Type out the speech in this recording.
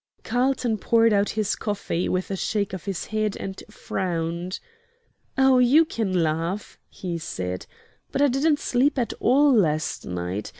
'" Carlton poured out his coffee, with a shake of his head, and frowned. "Oh, you can laugh," he said, "but I didn't sleep at all last night.